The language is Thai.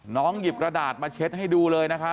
น้องหยิบกระดาษมาเช็ดให้ดูเลยนะครับ